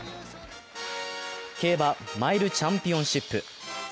競馬マイルチャンピオンシップ。